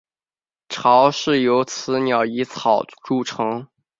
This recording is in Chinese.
巢是由雌鸟以草筑成。